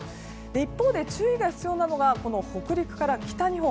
一方で、注意が必要なのが北陸から北日本。